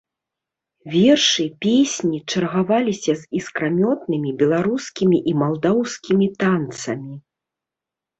Вершы, песні чаргаваліся з іскрамётнымі беларускімі і малдаўскімі танцамі.